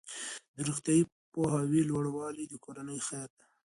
د روغتیايي پوهاوي لوړوالی د کورنۍ خیر دی.